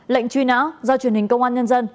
lệnh truy nã do truyền hình công an nhân dân